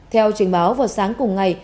theo trình báo vào sáng cùng ngày